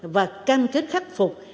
và cam kết khắc phục